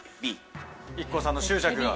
ＩＫＫＯさんの執着が。